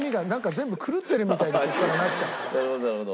なるほどなるほど。